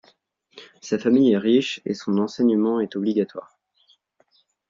Sa famille est riche et son enseignement est obligatoire.